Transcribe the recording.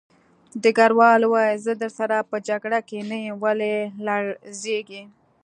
ډګروال وویل زه درسره په جګړه کې نه یم ولې لړزېږې